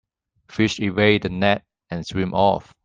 Fish evade the net and swim off.